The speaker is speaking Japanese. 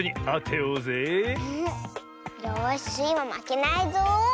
よしスイもまけないぞ。